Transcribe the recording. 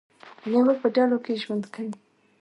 لیوه په ډلو کې ژوند کوي